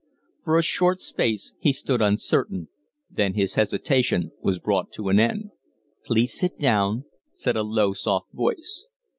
For a short space he stood uncertain, then his hesitation was brought to an end. "Please sit down," said a low, soft voice.